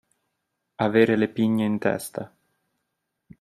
Avere le pigne in testa.